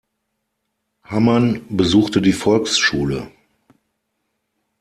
Hamann besuchte die Volksschule.